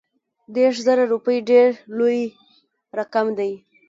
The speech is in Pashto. دېرش زره روپي ډېر لوی رقم دی.